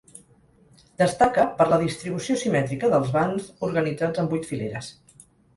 Destaca per la distribució simètrica dels vans, organitzats en vuit fileres.